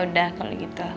udah kalau gitu